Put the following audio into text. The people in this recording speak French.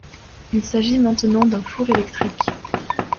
Il s'agit maintenant d'un four électrique.